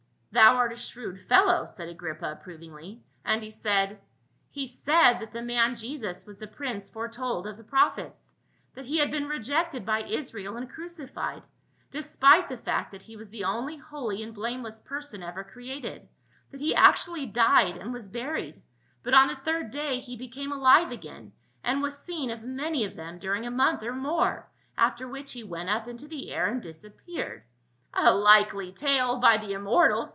"Thou art a shrewd fellow," said Agrippa approv ingly. " And he said —"" He said that the man Jesus was the prince fore told of the prophets ; that he had been rejected by Israel and crucified, despite the fact that he was the only holy and blameless person ever created ; that he actually died and was buried, but on the third day he became alive again, and was seen of many of them during a month or more, after which he went up into the air and disappeared." "A likely tale, by the immortals!"